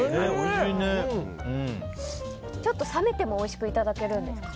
ちょっと冷めてもおいしくいただけるんですか。